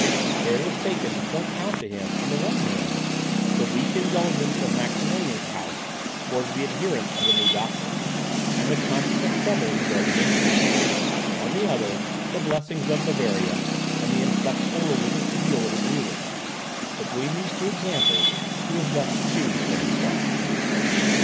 Care was taken to point out to him, on the one hand, the weak indulgence of Maximilian's house towards the adherents of the new doctrines, and the consequent troubles of their dominions; on the other, the blessings of Bavaria, and the inflexible religious zeal of its rulers; between these two examples he was left to choose for himself.